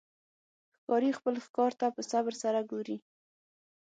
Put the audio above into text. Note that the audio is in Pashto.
ښکاري خپل ښکار ته په صبر سره ګوري.